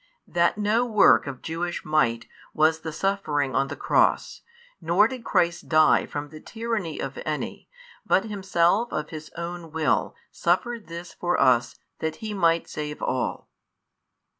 That no work of Jewish might was the Suffering on the Cross, nor did Christ die from the tyranny of any, but Himself of His own will suffered this for us that He might save all.